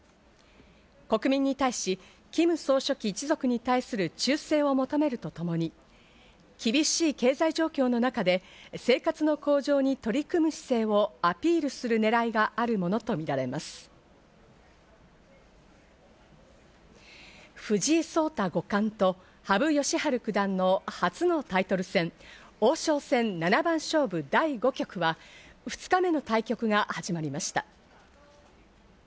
国民に対し、キム総書記一族に対する忠誠を求めるとともに、厳しい経済状況の中で生活の向上に取り組む姿勢をアピールするねらいが藤井聡太五冠と羽生善治九段の初のタイトル戦王将戦七番勝負第５局は２日目の対局が始まりました。